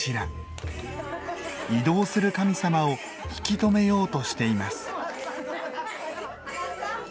移動する神様を引き止めようとしています。